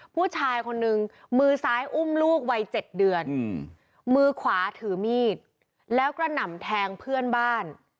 ผู้ชายคนนึงมือซ้ายอุ้มลูกวัย๗เดือนมือขวาถือมีดแล้วกระหน่ำแทงเพื่อนบ้าน